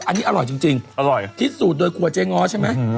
อันนี้อร่อยจริงอร่อยคิดสูตรโดยครัวเจ๊ง้อใช่ไหม